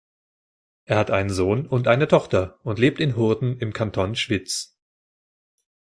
Er hat einen Sohn und eine Tochter und lebt in Hurden im Kanton Schwyz.